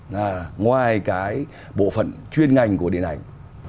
ngoài cái bộ phận chuyên ngành của điện ảnh